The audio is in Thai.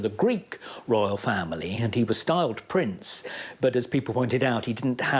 แต่เมื่อกว่าคนพูดว่าเขาไม่ได้มีนักโรยกันที่เขาคงทรวม